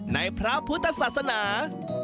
ในพระพุทธศาสนา